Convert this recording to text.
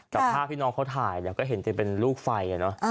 แต่ภาพที่น้องเขาถ่ายก็เห็นจะเป็นลูกไฟ